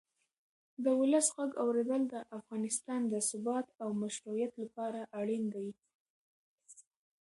د ولس غږ اورېدل د افغانستان د ثبات او مشروعیت لپاره اړین دی